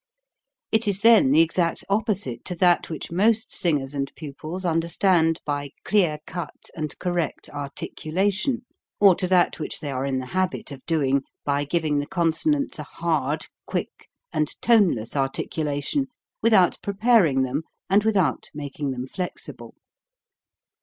It is then the exact opposite to that which most singers and pupils under stand by clear cut and correct articulation, or to that which they are in the habit of doing by giving the consonants a hard, quick, and toneless articulation without preparing them and without making them flexible.